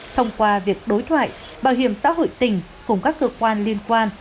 thông qua việc đối thoại bảo hiểm xã hội tỉnh cùng các cơ quan liên quan